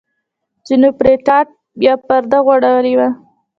ځینو پرې ټاټ یا پرده غوړولې وه.